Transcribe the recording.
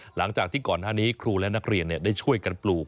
หลังจากที่ก่อนหน้านี้ครูและนักเรียนได้ช่วยกันปลูก